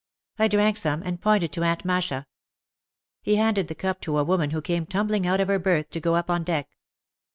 I drank some, and pointed to Aunt Masha. He handed the cup to a woman who came tumbling out of her berth to go up on deck.